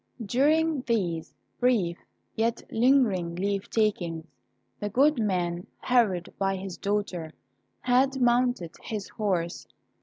During these brief, yet lingering leave takings, the good man, hurried by his daughter, had mounted his horse.